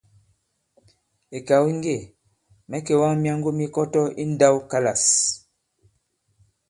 Ìkàw di ŋgê mɛ̌ kèwaŋ myaŋgo mi Kɔtɔ i ǹndãwkalâs.